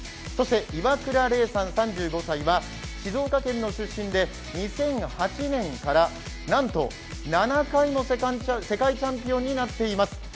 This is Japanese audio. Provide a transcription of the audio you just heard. そして、岩倉玲さん３５歳は２００８年からなんと、７回も世界チャンピオンになっています。